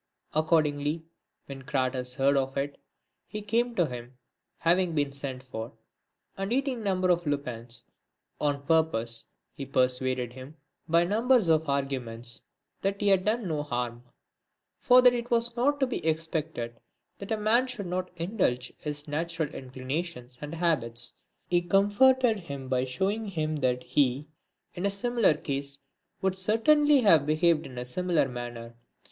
Accordingly, when Crates heard of it, he came to him, having been sent for; and eating a number of lupins, on purpose, he persuaded him by numbers of arguments, that he had done no harm ; for that it was not to be expected that a man should not indulge his natural inclinations and habits ; and he comforted him by showing him that he, in a similar case, would certainly have behaved in a similar manner. 254 LIVES OF EMINENT PHILOSOPHERS.